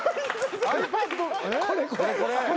これこれ。